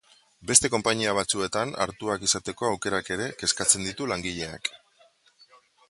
Beste konpainia batzuetan hartuak izateko aukerak ere kezkatzen ditu langileak.